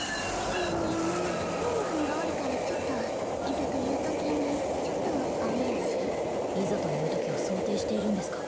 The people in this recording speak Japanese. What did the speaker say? うん今桃はんがおるからちょっといざというときにちょっとあれやしいざというときを想定しているんですか？